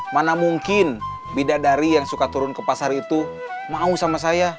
mana mungkin bidadari yang suka turun ke pasar itu mau sama saya